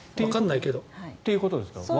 わからないけど。ということですか？